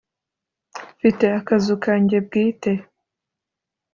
mfite akazu kanjye bwite,